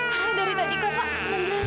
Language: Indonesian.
karena dari tadi kava menjerit kava terus